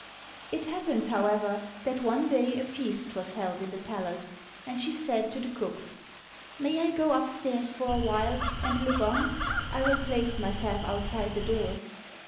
It happened, however, that one day a feast was held in the palace, and she said to the cook, "May I go up stairs for a while, and look on? I will place myself outside the door."